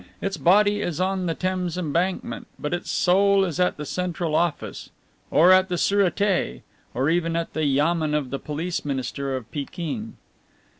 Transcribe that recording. Its body is on the Thames Embankment, but its soul is at the Central Office, or at the Sûreté or even at the Yamen of the police minister of Pekin.